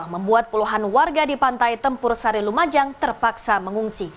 membuat puluhan warga di pantai tempur sari lumajang terpaksa mengungsi